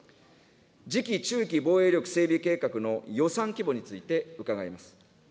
次期中期防衛力整備計画の予算規模について伺います。